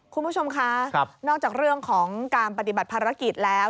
คุณผู้ชมคะนอกจากเรื่องของการปฏิบัติภารกิจแล้ว